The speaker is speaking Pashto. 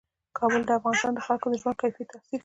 کابل د افغانستان د خلکو د ژوند کیفیت تاثیر کوي.